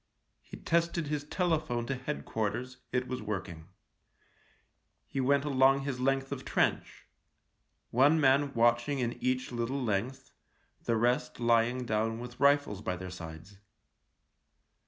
He tested his telephone to Head quarters — it was working. He went along his length of trench — one man watching in each little length, the rest lying down with rifles by their sides.